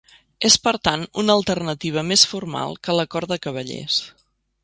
És, per tant, una alternativa més formal que l'acord de cavallers.